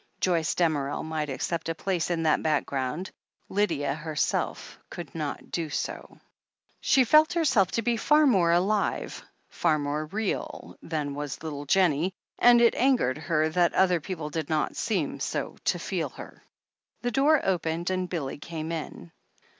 Joyce Damerel might accept a place in that back ground — Lydia herself could not do so. She felt herself to be far more alive, far more real, than was little Jennie, and it angered her that other people did not seem so to feel her. The door opened, and Billy came in.